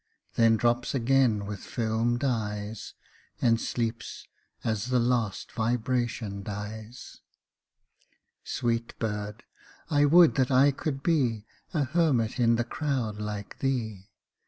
Then drops again with fdmed eyes, And sleeps as the last vibration dies. a (89) Sweet bird ! I would that I could be A hermit in the crowd like thee